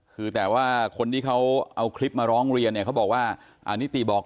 คือแต่ว่าคนที่เขาเอาคลิปมาร้องเรียนเนี่ยเขาบอกว่านิติบอก